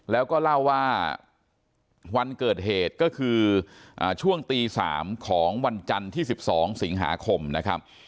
แล้วก็เล่าว่าวันเกิดเหตุก็คือช่วงตี๓ของวันจันทร์ที่๑๒สิงหาคมนะครับ